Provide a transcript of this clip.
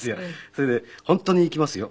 それで「本当に行きますよ」